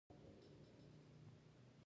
مجاهد د صدقې ارزښت پېژني.